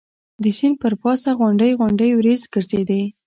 د سیند پر پاسه غونډۍ غونډۍ وریځ ګرځېدې.